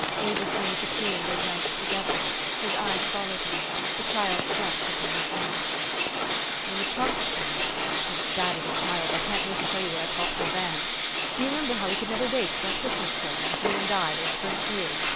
Avis made the tea, and they drank it together : his eyes followed her. The child slept upon his knee. " When the trunks come I'm as bad as a child : I can't wait to show you what I've got for Van (do you remember how we never could wait with our Christmas presents } T OU and I those first years?